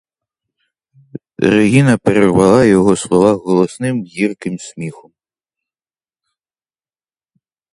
Регіна перервала його слова голосним, гірким сміхом.